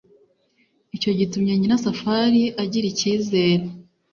icyo gitumye nyirasafari agira icyizere